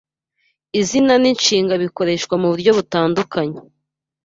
izina n'inshinga bikoreshwa mu Uburyo butandukanye